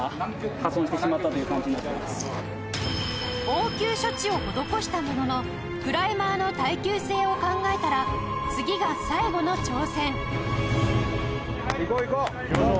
応急処置を施したもののクライマーの耐久性を考えたら次が最後の挑戦いこういこう！